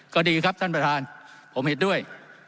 ก็ดีครับท่านประธานผมเห็นด้วย